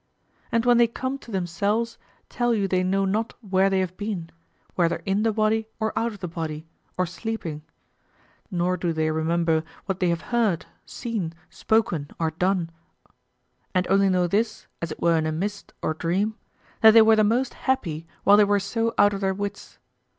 And when they come to themselves, tell you they know not where they have been, whether in the body or out of the body, or sleeping; nor do they remember what they have heard, seen, spoken, or done, and only know this, as it were in a mist or dream, that they were the most happy while they were so out of their wits.